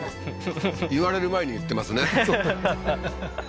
言われる前に言ってますねははは